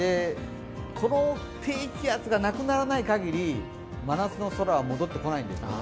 この低気圧がなくならないかぎり、真夏の空は戻ってこないんです。